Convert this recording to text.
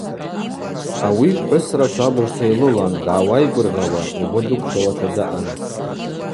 Ауи пхӏвысра швабыжта йлылан, дгӏауайгвыргъьауа, угвы дыквшвауата даъан.